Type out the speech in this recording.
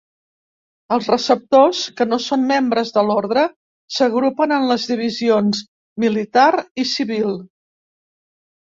Els receptors, que no són membres de l'orde, s'agrupen en les divisions militar i civil.